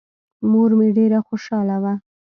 مور مې ډېره خوشاله وه.